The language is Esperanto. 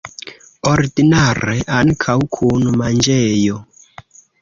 Ordinare ankaŭ kun manĝejo.